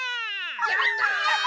やった！